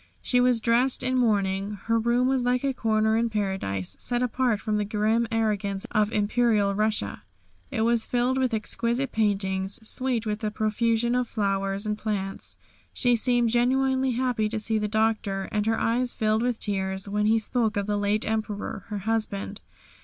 She was dressed in mourning. Her room was like a corner in Paradise set apart from the grim arrogance of Imperial Russia. It was filled with exquisite paintings, sweet with a profusion of flowers and plants. She seemed genuinely happy to see the Doctor, and her eyes filled with tears when he spoke of the late Emperor, her husband.